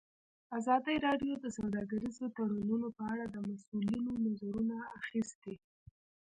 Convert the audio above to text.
ازادي راډیو د سوداګریز تړونونه په اړه د مسؤلینو نظرونه اخیستي.